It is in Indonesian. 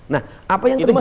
nah apa yang terjadi